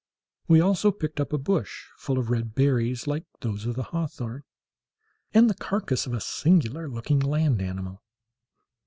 We also picked up a bush, full of red berries, like those of the hawthorn, and the carcass of a singular looking land animal.